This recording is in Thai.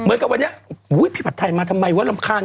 เหมือนกับวันนี้พี่ผัดไทยมาทำไมวะรำคาญ